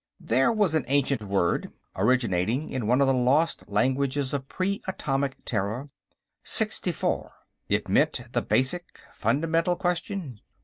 There was an ancient word, originating in one of the lost languages of Pre Atomic Terra sixtifor. It meant, the basic, fundamental, question.